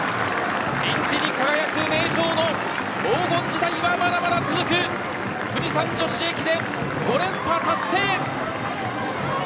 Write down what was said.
輝く名城の黄金時代はまだまだ続く富士山女子駅伝５連覇達成。